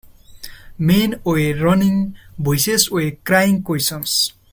Men were running, voices were crying questions.